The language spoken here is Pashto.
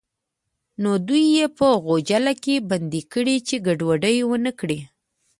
نو دی یې په غوجل کې بندي کړ چې ګډوډي ونه کړي.